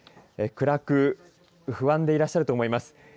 暗く不安でいらっしゃると思います。